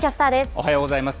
おはようございます。